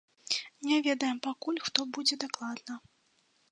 Не ведаем пакуль, хто будзе дакладна.